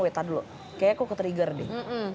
wait tada dulu kayaknya aku ketrigger deh